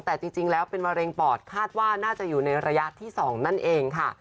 แต่จริงแล้วเป็นมะเร็งปอดคาดว่าน่าจะอยู่ในระยะที่๒นั่นเองค่ะ